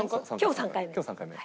今日３回目。